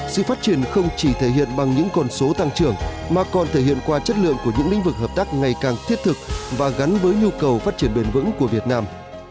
sự phát triển không chỉ thể hiện bằng những con số tăng trưởng mà còn thể hiện qua chất lượng của những lĩnh vực hợp tác ngày càng thiết thực và gắn với nhu cầu phát triển bền vững của việt nam